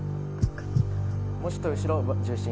もうちょっと後ろ重心